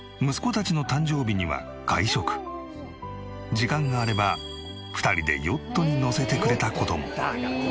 時間があれば２人でヨットに乗せてくれた事も。